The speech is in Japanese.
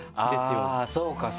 あぁそうかそうか。